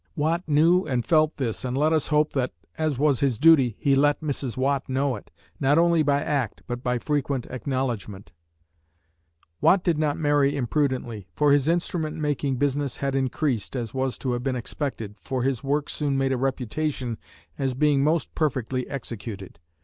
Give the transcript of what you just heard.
Watt knew and felt this and let us hope that, as was his duty, he let Mrs. Watt know it, not only by act, but by frequent acknowledgment. Watt did not marry imprudently, for his instrument making business had increased, as was to have been expected, for his work soon made a reputation as being most perfectly executed.